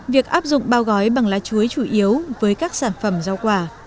việc áp dụng bao gói bằng lá chuối chủ yếu với các sản phẩm rau quả